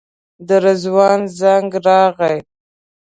د رضوان زنګ راغی.